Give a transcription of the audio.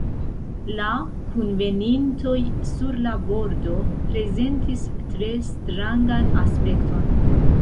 La kunvenintoj sur la bordo prezentis tre strangan aspekton.